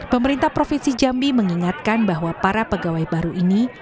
pemerintah provinsi jambi mengingatkan bahwa para pegawai baru ini